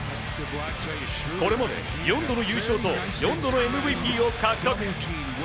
これまで４度の優勝と４度のＭＶＰを獲得。